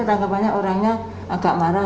tanggapannya orangnya agak marah